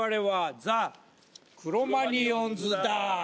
ザ・クロマニヨンズだ。